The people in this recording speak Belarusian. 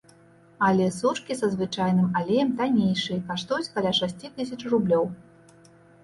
Але сушкі са звычайным алеем таннейшыя, каштуюць каля шасці тысяч рублёў.